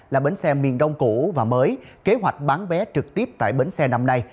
là bến xe miền đông cũ và mới kế hoạch bán vé trực tiếp tại bến xe năm nay